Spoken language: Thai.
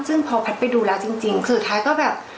ซึ่งพอแพทย์ไปดูแล้วจริงสุดท้ายก็แบบ